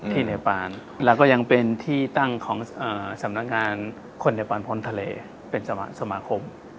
ในปานแล้วก็ยังเป็นที่ตั้งของสำนักงานคนในปานพ้นทะเลเป็นสมาคม